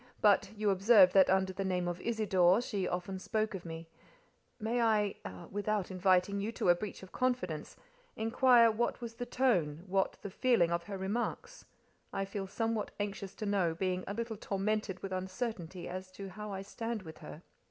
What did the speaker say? But you observed that under the name of 'Isidore' she often spoke of me: may I—without inviting you to a breach of confidence—inquire what was the tone, what the feeling of her remarks? I feel somewhat anxious to know, being a little tormented with uncertainty as to how I stand with her."